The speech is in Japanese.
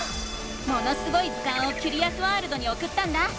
「ものすごい図鑑」をキュリアスワールドにおくったんだ。